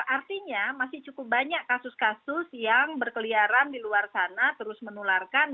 artinya masih cukup banyak kasus kasus yang berkeliaran di luar sana terus menularkan